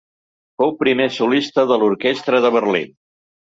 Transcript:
Fou primer solista de l'orquestra de Berlín.